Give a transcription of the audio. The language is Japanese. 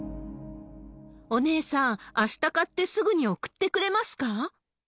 お姉さん、あした買って、すぐに送ってくれますか？